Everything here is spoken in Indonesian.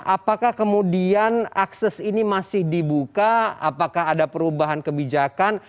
apakah kemudian akses ini masih dibuka apakah ada perubahan kebijakan